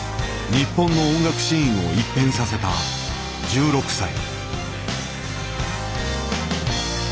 日本の音楽シーンを一変させた１６歳。